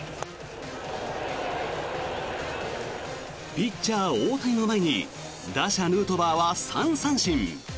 ピッチャー・大谷の前に打者・ヌートバーは３三振。